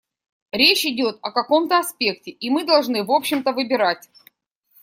Речь идет о каком-то аспекте, и мы должны в общем-то выбирать.